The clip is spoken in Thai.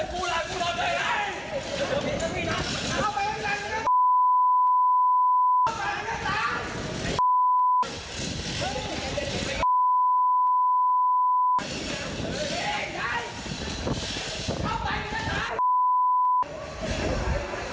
ขอบคุณท่านค่ะ